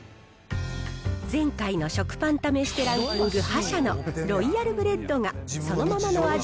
前回の食パン試してランキング覇者のロイヤルブレッドがそのままの味